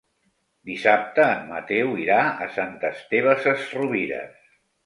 Dissabte en Mateu irà a Sant Esteve Sesrovires.